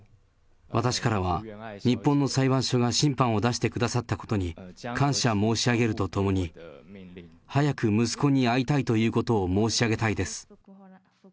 私からは日本の裁判所が審判を出してくださったことに感謝申し上げるとともに、早く息子に会いたいということを申し上げたいです。